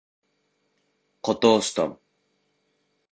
Ҡото осто.